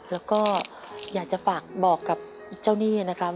แล้วก็อยากจะฝากบอกกับเจ้าหนี้นะครับ